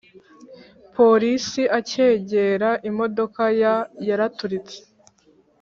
police acyegera imodoka ya yaraturitse..